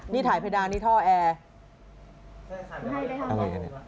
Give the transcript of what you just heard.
นี่ถ่ายเพดานนี่ท่อแอร์